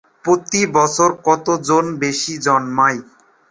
প্রতি বছর কত জন বেশি জন্মায়?